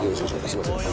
すみません。